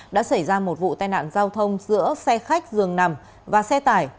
đã xảy ra một vụ tai nạn giao thông giữa xe khách dường nằm và xe tải